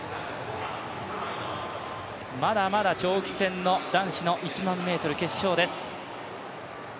まだまだ長期戦の男子の１００００ｍ決勝です。